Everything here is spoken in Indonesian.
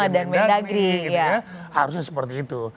dan menagri harusnya seperti itu